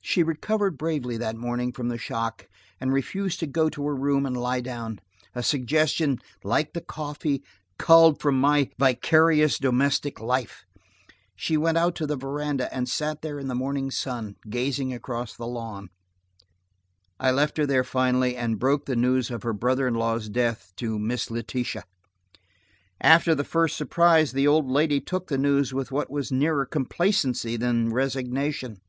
She recovered bravely that morning from the shock, and refusing to go to her room and lie down–a suggestion, like the coffee, culled from my vicarious domestic life–she went out to the veranda and sat there in the morning sun, gazing across the lawn. I left her there finally, and broke the news of her brother in law's death to Miss Letitia. After the first surprise, the old lady took the news with what was nearer complacency than resignation.